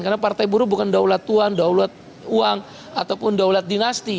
karena partai buruh bukan daulat tuan daulat uang ataupun daulat dinasti